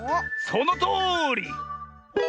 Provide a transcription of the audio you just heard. そのとおり！